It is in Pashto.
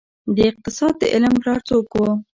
د اقتصاد د علم پلار څوک وه؟